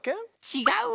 違う。